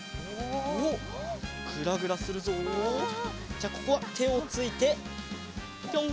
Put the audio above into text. じゃあここはてをついてぴょん。